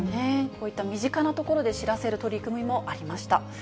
こういった身近な所で知らせる取り組みもありました。